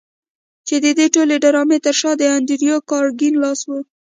چې د دې ټولې ډرامې تر شا د انډريو کارنګي لاس و.